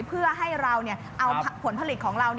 เพื่อให้เราเอาผลผลิตของเรา